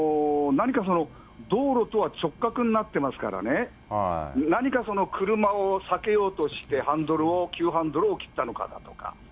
何か、道路とは直角になってますからね、何かその車を避けようとして、ハンドルを、急ハンドルを切ったのかだとか。